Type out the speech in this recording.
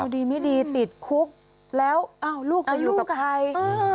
ดีไม่ดีติดคุกแล้วลูกจะอยู่กับใคร